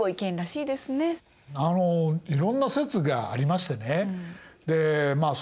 あのいろんな説がありましてねでまあ